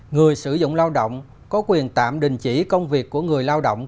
người sử dụng lao động có quyền tạm đình chỉ công việc của người lao động